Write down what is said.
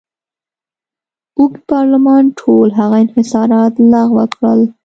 اوږد پارلمان ټول هغه انحصارات لغوه کړل.